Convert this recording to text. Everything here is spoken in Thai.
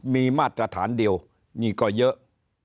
มีมาตรฐานเดียวนี่ก็เยอะ